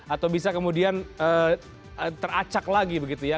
atau bisa kemudian teracak lagi begitu ya